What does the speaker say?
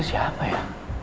itu siapa ya